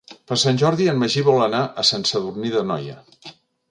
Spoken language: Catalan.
Per Sant Jordi en Magí vol anar a Sant Sadurní d'Anoia.